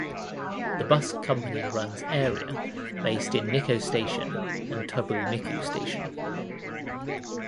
The bus company runs area based in Nikko Station and Tobu Nikko Station.